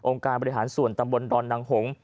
การบริหารส่วนตำบลดอนนางหง